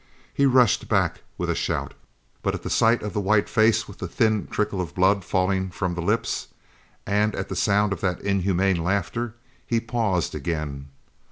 He rushed back with a shout, but at sight of the white face with the thin trickle of blood falling from the lips, and at the sound of that inhuman laughter, he paused again.